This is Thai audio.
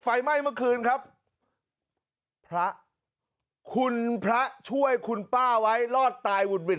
ไฟไหม้เมื่อคืนครับพระคุณพระช่วยคุณป้าไว้รอดตายหุดหวิด